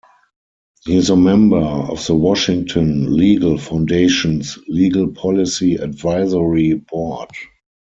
He is a member of the Washington Legal Foundation's Legal Policy Advisory Board.